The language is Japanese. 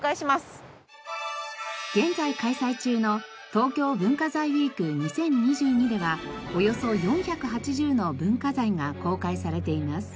現在開催中の「東京文化財ウィーク２０２２」ではおよそ４８０の文化財が公開されています。